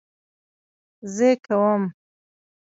زه کوم